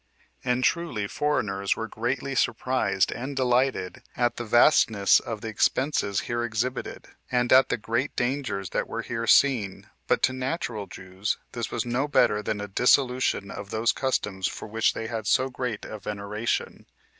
And truly foreigners were greatly surprised and delighted at the vastness of the expenses here exhibited, and at the great dangers that were here seen; but to natural Jews, this was no better than a dissolution of those customs for which they had so great a veneration.